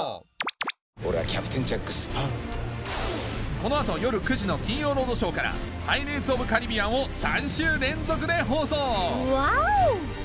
この後夜９時の『金曜ロードショー』から『パイレーツ・オブ・カリビアン』を３週連続で放送ワオ！